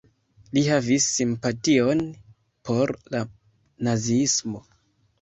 Li havis simpation por la naziismo.